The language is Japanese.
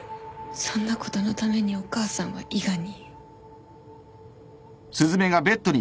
そんなことのためにお母さんは伊賀に。